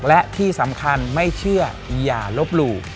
และที่สำคัญไม่เชื่ออย่าลบหลู่